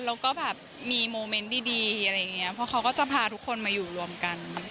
เราก็มีโมเมนต์ดีเพราะเขาก็จะพาทุกคนมาอยู่รวมกัน